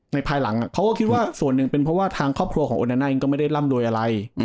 ภายหลังเขาก็คิดว่าส่วนหนึ่งเป็นเพราะว่าทางครอบครัวของโอนาน่าเองก็ไม่ได้ร่ำรวยอะไร